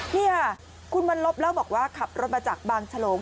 นี่ค่ะคุณวันลบเล่าบอกว่าขับรถมาจากบางฉลง